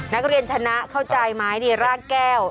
นักเรียนชนะเข้าใจไหมนี่รากแก้ว